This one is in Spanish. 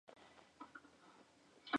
Posee polinia blandos y comestibles.